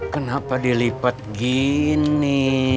kenapa dilipat gini